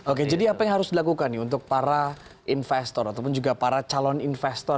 oke jadi apa yang harus dilakukan nih untuk para investor ataupun juga para calon investor